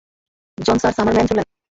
জন sir, Summer ma'am, চলেন।